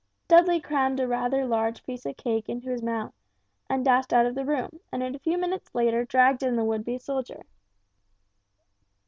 Dudley crammed rather a large piece of cake into his mouth, and dashed out of the room; and a few minutes later dragged in the would be soldier.